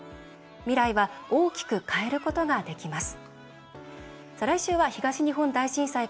未来は大きく変えることができます。